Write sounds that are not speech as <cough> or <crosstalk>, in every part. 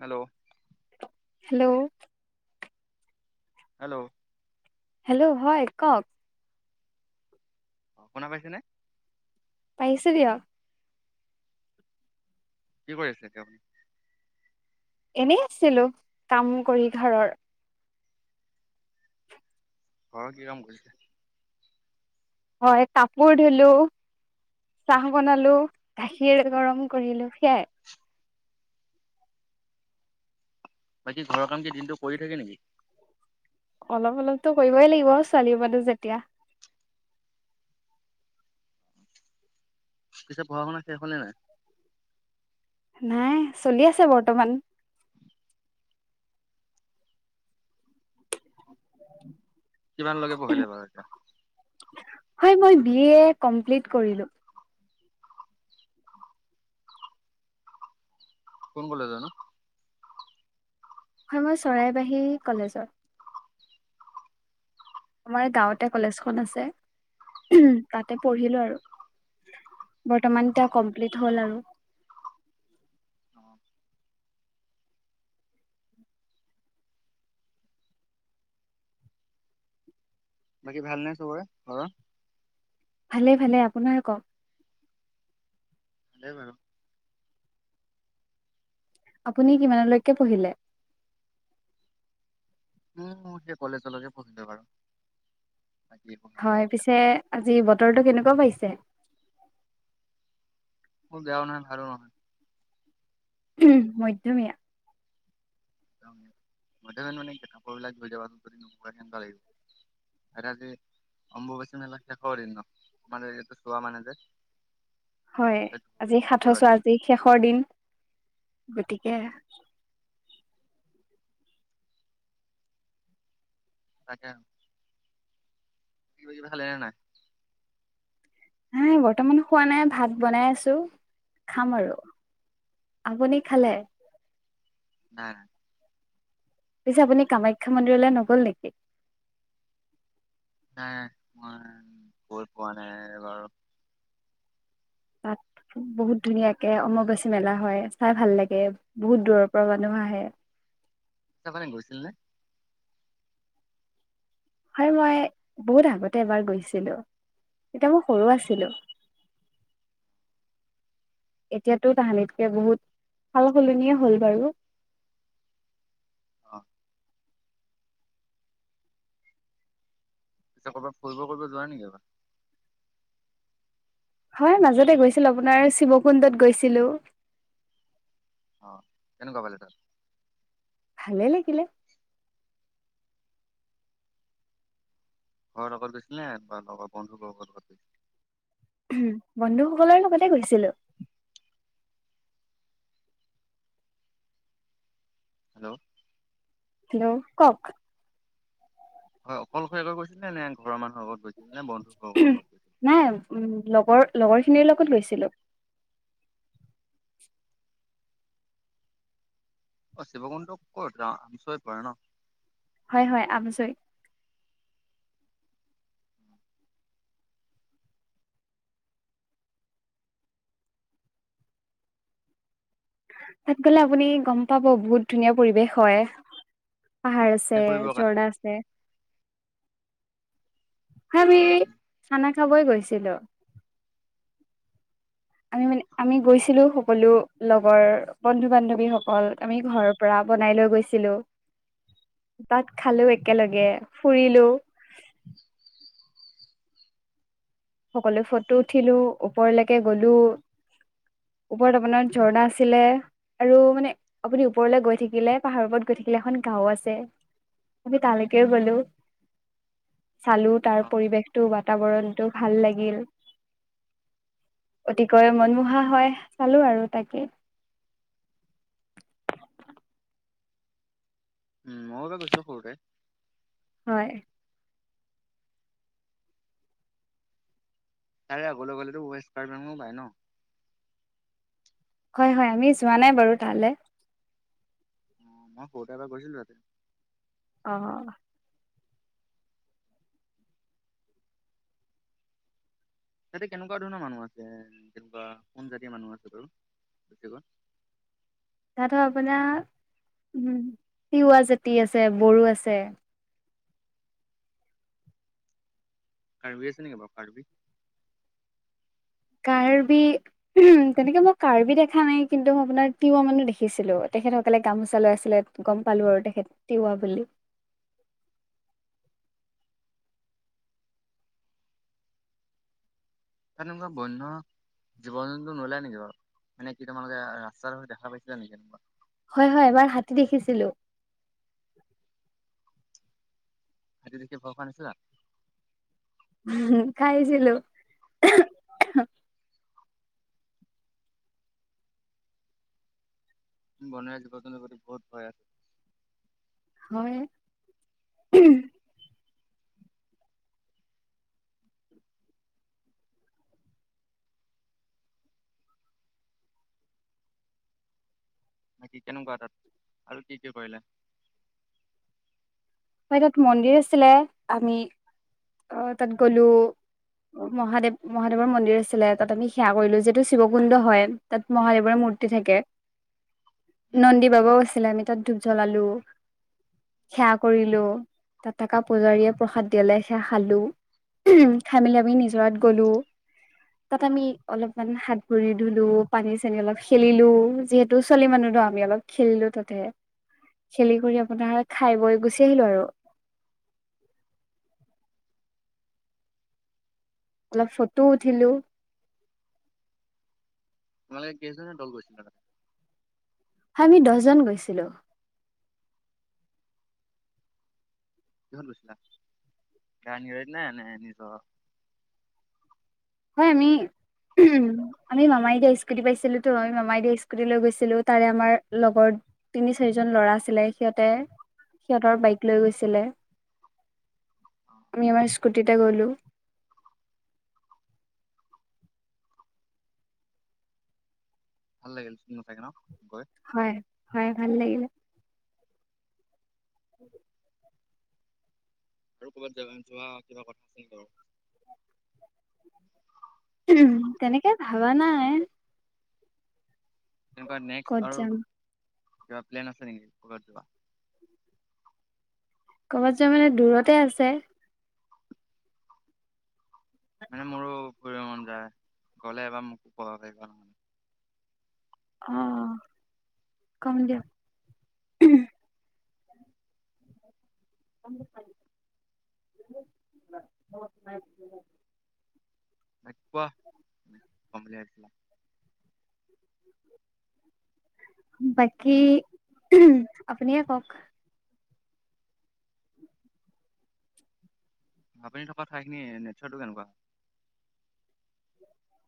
Hello hello hello hello হয় কওক। অ শুনা পাইছে নে পাৰিছো দিয়ক কি কৰি আছে এতিয়া আপুনি এনেই আছিলো কাম কৰি ঘৰৰ ঘৰৰ কি কাম কৰিছে হয় কাপোৰ ধুলো চাহ বনালো গাখীৰ গৰম কৰিলো সেয়াই <unintelligible> বাকী ঘৰৰ কাম কি দিনটো কৰি থাকে নেকি অলপ অলপতো কৰিবই লাগিব ছোৱালী মানুহ যেতিয়া পিছে পঢ়া শুনা শেষ হলে নাই। নাই চলি আছে বৰ্তমান উ কিমানলৈকে পঢ়িলে বাৰু এতিয়া? হয় মই বি এ কমপ্লিট কৰিলো। কোন বোলে জনো? হয় মই চৰাইবাহী কলেজৰ। আমাৰ গাঁৱতে কলেজখন আছে। তাতে পঢ়িলো আৰু। বৰ্তমান এতিয়া কমপ্লিট হ'ল আৰু। অ। বাকী ভাল নে চবৰে ঘৰৰ? ভালে ভালে আপোনাৰ কক? দে বাৰু। আপুনি কিমানলৈকে পঢ়িলে? উম সেই কলেজলৈকে পঢ়িলো বাৰু। বাকী একো নালাগে হয় এতিয়া পিছে আজি বতৰটো কেনেকুৱা পাইছে? মোৰ গাঁও নহয় হাৰো নহয়। মধ্যমীয়া। মাজ নাই ককৌ ল যাব ত আকাই <inaudible> <unintelligible> আধা দে অম্বুবাচি মেলা শেষৰ দিন ন মানে এইটো চোৱা মানে যে হয় কাপোৰবিলাক ধুই আজি দিব সাথছোৱা লাগিব। আজি শেষৰ দিন। গতিকে তাকে। <unintelligible> হাই বৰ্তমান খোৱা নাই ভাত বনাই আছো, খাম আৰু। আপুনি খালে? না। পিছে আপুনি কামাখ্যা মন্দিৰলৈ নগল নেকি? নাই মই গৈ পোৱা নাই এবাৰো। তাত বহুত ধুনীয়াকে অম্বুবাচী মেলা হয়, চাই ভাল লাগে বহুত দূৰৰ পৰা মানুহ হ আহে। চফালং গৈছিল নে? হয় মই বহুত আগতে এবাৰ গৈছিলো এতিয়া মই সৰু আছিলো। উম। এতিয়াতো তাহানিতকে বহুত সাল সলনিয়ে হ'ল বাৰু। অ। পিছে ক'ৰবাত ফুৰিব ফ কৰিব যোৱা নেকি এবাৰ? হয় মাজতে গৈছিলো আপোনাৰ শিৱকুণ্ডত গৈছিলো। অ কেনেকুৱা পালে তাত? ভাল লাগিলে। ঘৰৰ লগত গৈছিল নে বা লগৰ বন্ধুবৰ্গৰ লগত গৈছিল? উম বন্ধুসকলৰ লগতে গৈছিলো। হেল্ল'! হেল্ল' কওক। হয় অকলশৰিয়াকৈ গৈছিলে নে ঘৰৰ মানুহ আগত গৈছিল? নে বন্ধুবৰ্গৰ লগত গৈছিল নাই লগৰ লগৰ খিনিৰ লগত গৈছিলো। অ শিৱকুণ্ডটো কত আমি চ হৈ পৰে ন। হয় হয় আমজই তাত গ'লে আপুনি গম পাব বহুত ধুনীয়া পৰিৱেশ হয়। পাহাৰ এনে আছে, ফুৰিবৰ কাৰণে ঝৰ্ণা আছে আমি উম উম, খানা খাবই গৈছিলো। আমি মানে আমি গৈছিলো সকলো লগৰ বন্ধু বান্ধৱীসকল আমি ঘৰৰ পৰা বনাই লৈ গৈছিলো <unintelligible> তাত খালো একেলগে ফুৰিলো। সকলোৱো ফটো উঠিলো ওপৰলৈকে গলো ওপৰত আপোনাৰ ঝৰ্ণা আছিলে আৰু মানে আপুনি ওপৰলৈ গৈ থাকিলে পাহাৰ ওপৰত গৈ থাকে। থিকিলা এখন গাওঁ আছে আমি তালৈকেও গলো। চালো তাৰ অ পৰিৱেশটো বাতাবৰণটো ভাল লাগিল। অতিকৈ মনমোহা হয় চালো আৰু তাকেই <inaudible> উম মইটো গৈছিলো সৰুতে, হয় তাৰে আগলৈ আ গলেতো স্কাৰে পাই ন হয় হয় আমি যোৱা নাই বাৰু তালে মই সৰুতে এবাৰ গৈছিলো তাতে, অ তাতে কেনেকুৱা ধৰণৰ মানুহ আছে কেনেকুৱা কোন জাতিৰ মানুহ আছে বাৰু- কেতিয়াবা তাত আপোনাৰ উম তিৱা জাতি আছে বড়ো আছে কাৰ্বি আছে নেকি বাৰু কাৰ্বি কাৰ্বি উম তেনেকে মই কাৰ্বি দেখা নাই কিন্তু মই আপোনাৰ তিৱা মানো দেখিছিলো। তেখেতসকলে গামোচা লৈ আছিলে গম পালো আৰু তেখেত তিৱা বুলি। <inaudible> তাত এনেকোৱা বৈয়ন্য জীৱ জন্তু নোলাই নেকি বাৰু মানে কি তোমালোকে ৰাস্তাৰ দেখা পাইছিলা তেনেকুৱা? হয় হয় এবাৰ হাতী দেখিছিলো। হাতী দেখি ভয় খোৱা নাছিলা? খাইছিলো বনৰাজী গচন্ত কৰি বহুত ভয় আছে হয় খেতি কেনেকুৱা তাত আৰু কি কি কৰিলা? হয় তাত মন্দিৰ আছিলে আমি অ তাত গলো। মহাদেৱ মহাদেৱৰ মন্দিৰ আছিলে তাত আমি সেৱা কৰিলো যিহেতু শিৱকুণ্ড হয় তাত মহাদেৱৰ ম মূৰ্তি থাকে <unintelligible> উম, নন্দী বাবাও আছিলে আমি তাত ধূপ জ্বলালো সেয়া। কৰিলো তাত থকা পূজাৰীয়ে প্ৰসাদ দিয়ালে সেয়া খালো। খাই মেলি আমি নিজৰাত গ'লো। তাত আমি অলপমান হাত ভৰি ধুলো পানী চানী অলপ খেলিলো যিহেতু ছোৱালী মানুহ, আমি অলপ খেলিলো তাতে খেলি কৰি আপোনাৰ খাই বৈ গুচি ল আৰু অলপ ফটো উঠিলো। তোমালোকে কেইজনীয়া দ'ল গৈছিলা তাত? আমি দহজন গৈছিলো। কিহত গৈছিলা গাড়ী নে নিজৰ? হয় আমি উম আমি মামাই দিয়া স্কুটি পাইছিলো তো। আমি মামাই দিয়া স্কুটি লৈ গৈছিলো। তাৰে আমাৰ লগৰ তিনি চাৰিজন ল'ৰা আছিলে সিহঁতে সিহঁতৰ বাইক লৈ গৈছিলে। আমি আমাৰ স্কুটিতে গ'লো ভাল লাগিল চিনেমা চাইকে ন। গৈ? হয়- হয় ভাল লাগিলে। <inaudible> <unintelligible> <unintelligible> তেনেকে ভাবা নায়। তেনেকুৱা নেক্সট ক'ত আৰু যাম কিবা প্লেন আছে নেকি কবাত যোৱা? ক'বাত যোৱা মানে দূৰতে আছে। মানে মোৰো ফুৰিব মন যায় গ'লে এবাৰ মোকো <unintelligible> অহ, কম দিয়ক। <unintelligible> <unintelligible> কোৱা? বাকি আপুনিয়ে ক' ক? আপুনি থকা ঠাইখিনি নেচাৰটো কেনেকুৱা?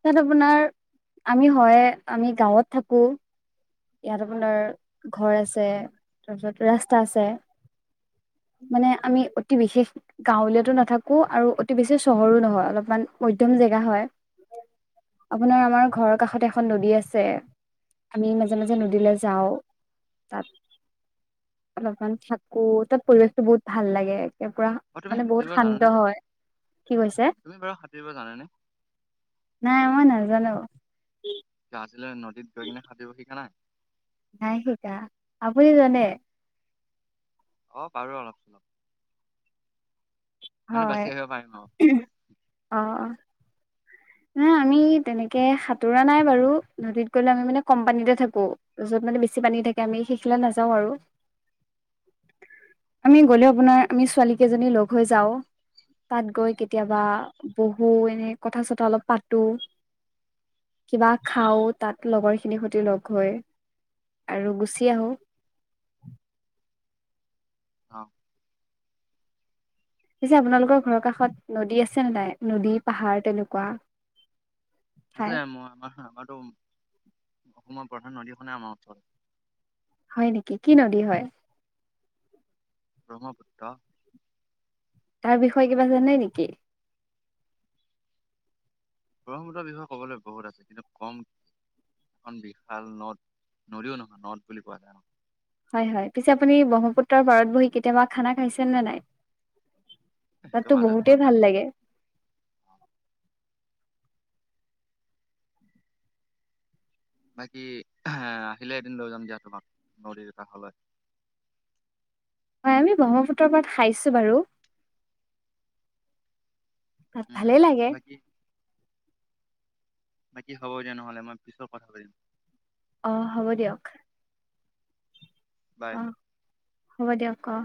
তাত আপোনাৰ আমি হয় আমি গাঁৱত থাকো ইয়াত আপোনাৰ ঘৰ আছে তাৰপিছত ৰাস্তা আছে। <inaudible> মানে আমি অতি বিশেষ গাঁৱলীয়াতো নাথাকো আৰু অতি বেছি চহৰো নহয় অলপমান মধ্যম জেগা হয়। <inaudible> আপোনাৰ আমাৰ ঘৰৰ কাষতে এখন নদী আছে আমি মা মাজে - মাজে নদীলৈ যাওঁ তাত অলপমান থাকো তাত পৰিৱেশটো বহুত ভাল লাগে। পুৰা অ' তুমি মানে সাঁতুৰিব বহুত জানানে? শান্ত হয়, কি কৈছে? তুমি বাৰু সাঁতুৰিব জানানে? নাই মই নেজানো। আজিলৈ নদীত গৈ কিনে সাঁতুৰিব শিকা নাই? নাই শিকা আপুনি জানে? অহ, পাৰো অলপ- চলপ। মানে হয়, বাচি আহিব পাৰিম আৰু <unintelligible> অহ ন' আমি তেনেকে সাঁতোৰা নাই বাৰু নদীত গলে আমি মানে কম পানীতে থাকো মানে বেছি পানী থাকে আমি হিফলে নাযাওঁ আৰু। <inaudible> আমি গ'লে আপোনাৰ আমি ছোৱালী কেইজনী লগ হৈ যাওঁ। তাত গৈ কেতিয়াবা বহু এনে কথা- চথা অলপ পাতো, কিবা খাওঁত তাত লগৰ খিনিৰ সৈতে লগ হৈ আৰু গুচি আহোঁ। অহ পিছে আপোনালোকৰ ঘৰৰ কাষত নদী আছে নে নাই নদী, পাহাৰ তেনেকুৱা ঠাই আছে মই আমাৰ আমাৰতো অসমৰ প্ৰধান নদীখনে আমাৰ ওচৰত। হয় নেকি, কি নদী হয়? ব্ৰহ্মপুত্ৰ। এই বিষয়ে কিবা জানে নেকি? ব্ৰহ্মপুত্ৰৰ বিষয়ে কবলৈ বহুত আছে কিন্তু কম এখন বিশাল নদ নদীও নহয় নদ বুলি কোৱা যায়। হয় -হয় পিছে আপুনি ব্ৰহ্মপুত্ৰৰ পাৰত বহি কেতিয়াবা খানা খাইছে নে নাই? সেইটো তাতো মাজে সময়ে বহুতেই খাই ভাল থকা যায় লাগে। বাকী আহিলে এদিন লৈ যাম দিয়া তোমাক নদীৰ কাষলৈ। <inaudible> হয়, আমি ব্ৰহ্মপুত্ৰৰ পৰা খাইছো বাৰু। তাত উম ভালেই লাগে। বাকী বাকি হ'ব দিয়া নহ'লে মই পিছত কথা পাতিম। অহ, হ'ব দিয়ক। বাই অ হ'ব দিয়ক অ